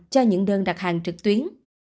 cho những đơn đặt hàng trực tuyến